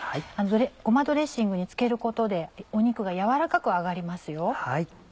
ごまドレッシングに漬けることで肉が軟らかく揚がりますよ。